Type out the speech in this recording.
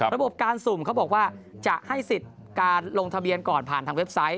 ระบบการสุ่มเขาบอกว่าจะให้สิทธิ์การลงทะเบียนก่อนผ่านทางเว็บไซต์